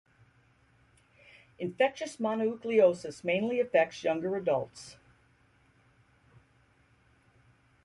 Infectious mononucleosis mainly affects younger adults.